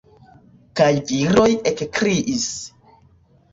Kaj viroj ekkriis.